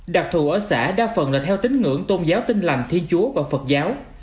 đặc thù ở xã đa phần là theo tính ngưỡng tôn giáo tinh lành thi chúa và phật giáo